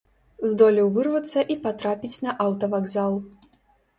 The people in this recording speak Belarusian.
Здолеў вырвацца і патрапіць на аўтавакзал.